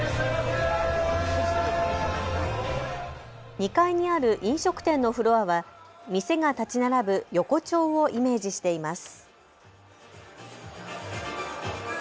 ２階にある飲食店のフロアは店が建ち並ぶ横町をイメージしています。